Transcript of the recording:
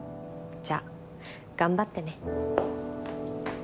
じゃあ頑張ってね。